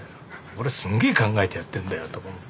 「俺すんげえ考えてやってんだよ！」とか思って。